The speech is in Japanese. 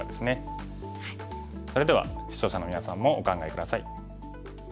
それでは視聴者のみなさんもお考え下さい。